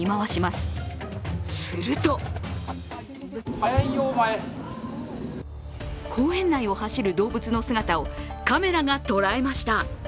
すると公園内を走る動物の姿をカメラが捉えました。